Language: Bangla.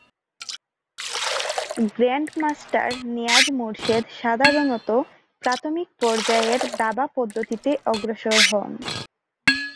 গ্র্যান্ড মাস্টার নিয়াজ মোর্শেদ সাধারণতঃ প্রাথমিক পর্যায়ের দাবা পদ্ধতিতে অগ্রসর হন।